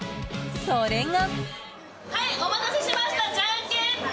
それが。